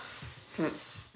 うん。